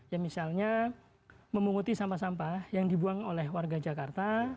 ya misalnya memunguti sampah sampah yang dibuang oleh warga jakarta